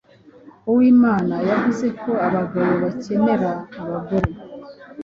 Uwimana yavuze ko abagabo bakenera abagore